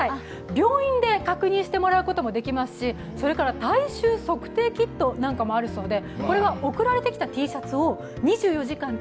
病院で確認してもらうこともできますし、体臭測定キットもあるそうです。